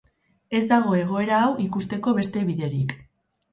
Ez dago egoera hau ikusteko beste biderik.